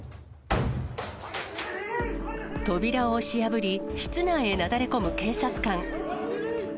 扉を押し破り、室内へなだれ込む警察官。